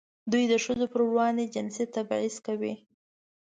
دوی د ښځو پر وړاندې جنسي تبعیض کوي.